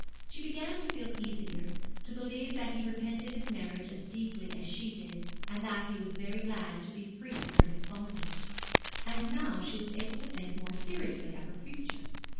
She began to feel easier, to believe that he repented his marriage as deeply as she did, and that he was very glad to be free from its bondage. And now she was able to think more seriously of her future.